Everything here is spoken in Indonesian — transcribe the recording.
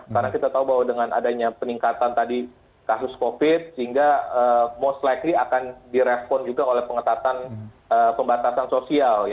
karena kita tahu bahwa dengan adanya peningkatan tadi kasus covid sembilan belas sehingga most likely akan direspon juga oleh pembatasan sosial